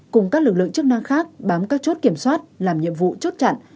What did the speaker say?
cùng các lực lượng chức năng khác bám các chốt kiểm soát làm nhiệm vụ chốt chặn